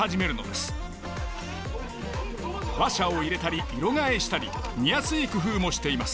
話者を入れたり色替えしたり見やすい工夫もしています。